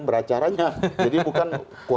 beracaranya jadi bukan